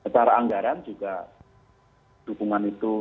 dan juga dukungan itu